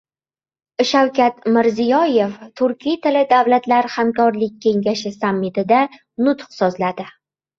Shavkat Mirziyoyev Turkiy tilli davlatlar hamkorlik kengashi sammitida nutq so‘zladi